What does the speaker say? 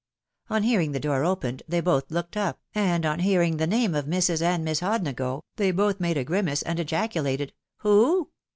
On hearing the door opened they both looked up, and on hearing the name of Mrs. and Miss Hodnago, they both made a grimace, and ejaculated, * "Who?"